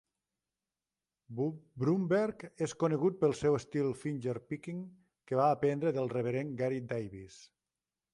Bromberg és conegut pel seu estil "fingerpicking" que va aprendre de Reverend Gary Davis.